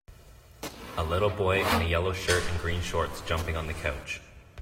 A little boy in a yellow shirt and green shorts jumping on the couch.